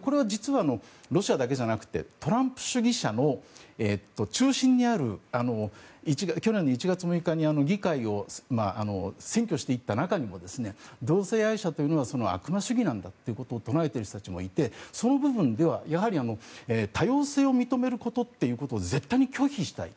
これは実はロシアだけじゃなくてトランプ主義者の中心にある去年の１月６日に議会を占拠していった中にも同性愛者というのは悪魔主義なんだということを唱えている人たちもいてその部分ではやはり多様性を認めることというのを絶対に拒否したい。